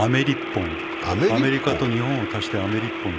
アメリカと日本を足してアメリッポン。